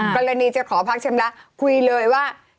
กรณีจะขอพักชำระคุยเลยว่า